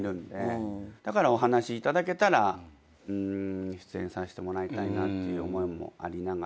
だからお話頂けたら出演させてもらいたいなっていう思いもありながら。